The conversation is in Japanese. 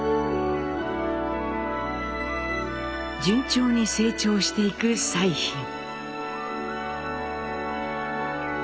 順調に成長していく彩浜。